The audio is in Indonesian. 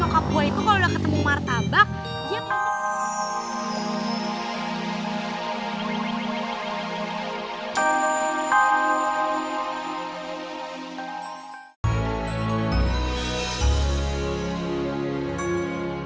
ketemu martabak dia memiliki